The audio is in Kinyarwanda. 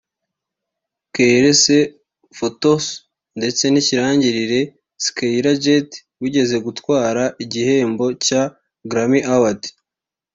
Keyerese Fotso ndetse n’ikirangirire Skyler Jett wigeze gutwara igihembo cya Grammy Award